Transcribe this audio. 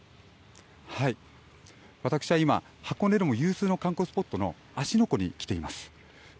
私は今箱根でも有数の観光スポットの芦ノ湖に来ています。